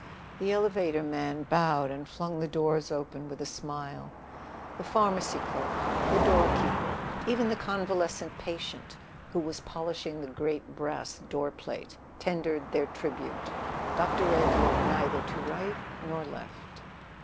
The elevator man bowed and flung the doors open, with a smile; the pharmacy clerk, the doorkeeper, even the convalescent patient who was polishing the great brass doorplate, tendered their tribute. Dr. Ed looked neither to right nor left.